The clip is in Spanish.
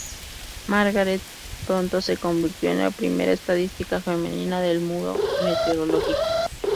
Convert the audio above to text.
Margaret pronto se convirtió en la primera estadística femenina del Buró Meteorológico.